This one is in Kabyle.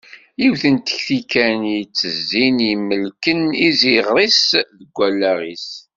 Yiwet n tekti kan i yettezin i imelken iziɣer-is d wallaɣ-is.